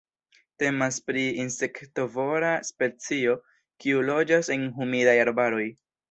Temas pri insektovora specio kiu loĝas en humidaj arbaroj.